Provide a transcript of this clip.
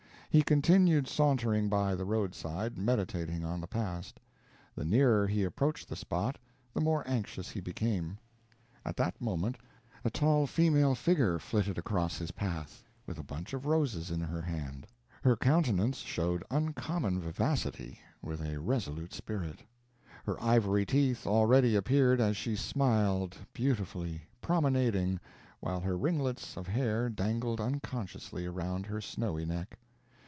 He continued sauntering by the roadside, meditating on the past. The nearer he approached the spot, the more anxious he became. At that moment a tall female figure flitted across his path, with a bunch of roses in her hand; her countenance showed uncommon vivacity, with a resolute spirit; her ivory teeth already appeared as she smiled beautifully, promenading while her ringlets of hair dangled unconsciously around her snowy neck.